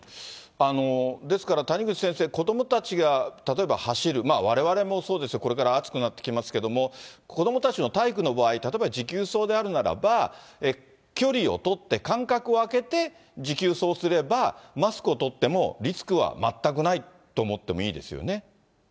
ですから、谷口先生、子どもたちが例えば走る、われわれもそうですが、これから暑くなってきますけれども、子どもたちの体育の場合、例えば持久走であるならば、距離を取って間隔を空けて、持久走をすれば、マスクを取ってもリスクは全くないと思ってもいいですよね？